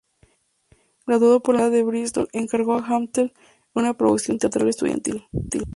Graduado por la Universidad de Brístol, encarnó a Hamlet en una producción teatral estudiantil.